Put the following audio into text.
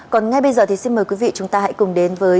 còn ngay bây giờ thì xin mời quý vị chúng ta hãy cùng đến với